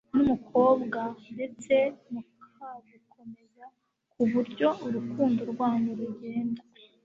n'umukobwa ndetse mukabukomeza ku buryo urukundo rwanyu rugenda